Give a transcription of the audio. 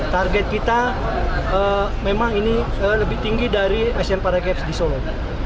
target kita memang ini lebih tinggi dari asian paragames di solo